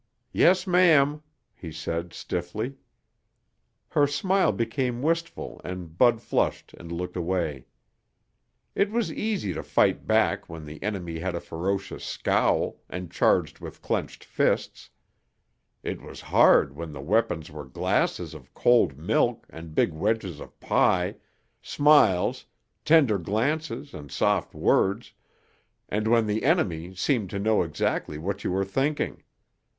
"Yes, ma'am," he said stiffly. Her smile became wistful and Bud flushed and looked away. It was easy to fight back when the enemy had a ferocious scowl and charged with clenched fists. It was hard when the weapons were glasses of cold milk and big wedges of pie, smiles, tender glances and soft words, and when the enemy seemed to know exactly what you were thinking.